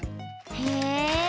へえ。